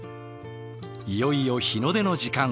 いよいよ日の出の時間。